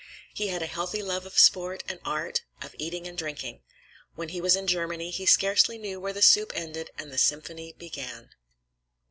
He had a healthy love of sport and art, of eating and drinking. When he was in Germany, he scarcely knew where the soup ended and the symphony began.